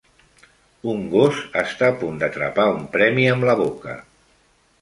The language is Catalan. Un gos està a punt d'atrapar un premi amb la boca.